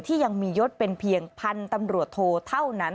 ที่ยังมียดเป็นเพียงพันตำรวจโทรเท่านั้น